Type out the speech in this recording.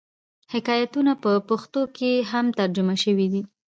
حکایتونه په پښتو کښي هم ترجمه سوي دي.